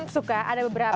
suka ada beberapa